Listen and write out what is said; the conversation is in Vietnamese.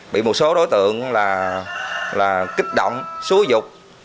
bị một số đối tượng là kích động xúi dục